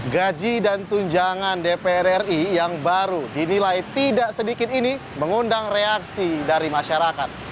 gaji dan tunjangan dpr ri yang baru dinilai tidak sedikit ini mengundang reaksi dari masyarakat